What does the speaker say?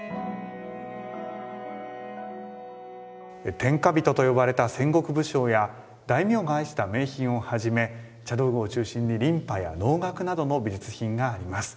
天下人と呼ばれた戦国武将や大名が愛した名品をはじめ茶道具を中心に琳派や能楽などの美術品あります。